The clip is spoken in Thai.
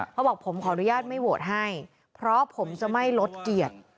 เขาบอกผมขออนุญาตไม่โหวตให้เพราะผมจะไม่ลดเกียรติ